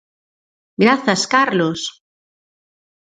Grazas, Carlos!